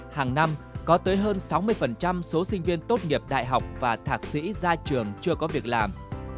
hàng năm có tới hơn sáu mươi số sinh viên tốt nghiệp đại học và thạc sĩ ra trường chưa có việc làm